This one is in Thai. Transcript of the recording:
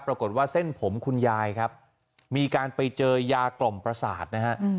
ปรากฏว่าเส้นผมคุณยายครับมีการไปเจอยากล่อมประสาทนะฮะ